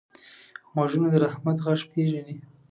غوږونه د رحمت غږ پېژني